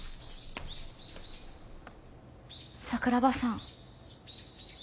桜庭さん。